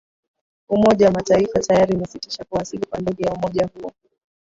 umoja mataifa tayari imesitisha kuwasili kwa ndege ya umoja huo